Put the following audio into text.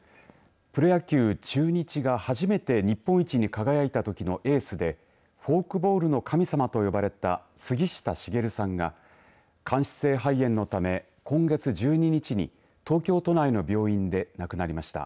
プロ野球、中日が初めて日本一に輝いたときのエースでフォークボールの神様と呼ばれた杉下茂さんが間質性肺炎のため今月１２日に東京都内の病院で亡くなりました。